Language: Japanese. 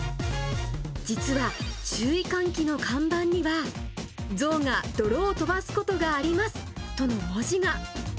実は注意喚起の看板には、ゾウが泥を飛ばすことがありますとの文字が。